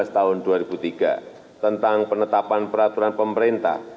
dua belas tahun dua ribu tiga tentang penetapan peraturan pemerintah